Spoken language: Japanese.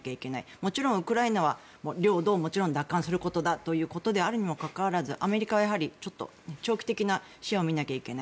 もちろんウクライナは領土をもちろん奪還することだということであるにもかかわらずアメリカは、やはり長期的な視野を見なければいけない。